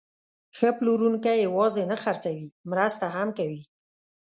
ښه پلورونکی یوازې نه خرڅوي، مرسته هم کوي.